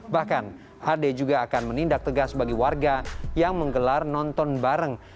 bahkan hd juga akan menindak tegas bagi warga yang menggelar nonton bareng